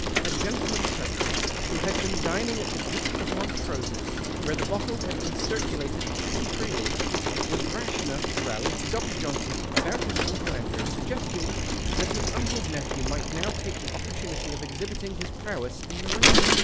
A gentleman present, who had been dining at the Duke of Montrose's, where the bottle had been circulated pretty freelj', was rash enough to rally Dr. Johnson about his Uncle Andrew, suggesting that his uncle's nej)lu \v might now take the opportunity of exhibiting his prowess in the ring.